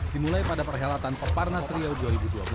dimulai pada perkhidmatan peparnas rio dua ribu dua belas